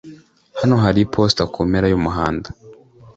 Hano hari iposita kumpera yumuhanda.